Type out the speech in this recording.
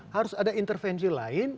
harus ada intervensi lain